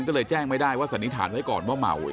ก็เลยแจ้งไม่ได้ว่าสันนิษฐานไว้ก่อนว่าเมา